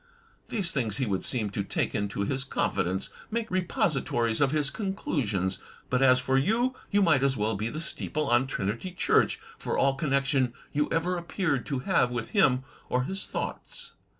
These things he would seem to take into his confidence, make the reposi tories of his conclusions; but as for you — ^you might as well be the steeple on Trinity Church, for all connection you ever appeared to have with him or his thoughts.